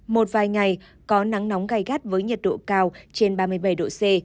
một vài ngày có nắng nóng gai gắt với nhiệt độ cao trên ba mươi bảy độ c